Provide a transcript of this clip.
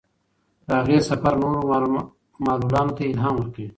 د هغې سفر نورو معلولانو ته الهام ورکوي.